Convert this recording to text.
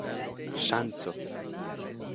ŝanco